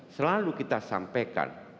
selalu kita sampaikan